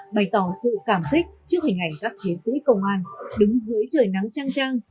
bày tỏ sự cảm thích trước hình ảnh các chiến sĩ công an đứng dưới trời nắng trăng trăng